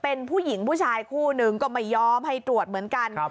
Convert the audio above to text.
เป็นผู้หญิงผู้ชายคู่หนึ่งก็ไม่ยอมให้ตรวจเหมือนกัน